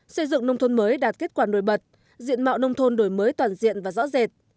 xây dựng nông thôn mới đạt kết quả nổi bật diện mạo nông thôn đổi mới toàn diện và rõ rệt